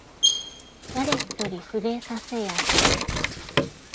誰一人触れさせやしない